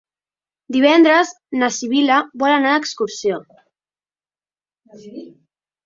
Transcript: Divendres na Sibil·la vol anar d'excursió.